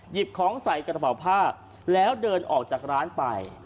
หยิบของใส่กระเป๋าผ้าแล้วเดินออกจากร้านไป